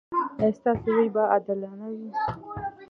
ایا ستاسو ویش به عادلانه وي؟